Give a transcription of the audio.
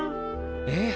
ええ。